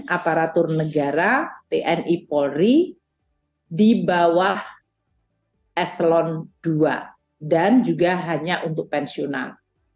aparatur negara tni polri di bawah eselon ii dan juga hanya untuk pensiunan